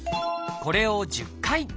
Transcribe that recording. これを１０回。